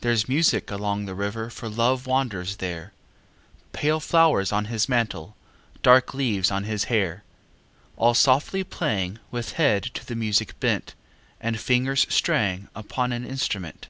Thereâs music along the river For Love wanders there, Pale flowers on his mantle, Dark leaves on his hair. All softly playing, With head to the music bent, And fingers straying Upon an instrument.